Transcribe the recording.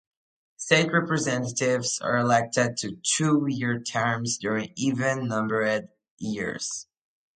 State representatives are elected to two-year terms during even-numbered years.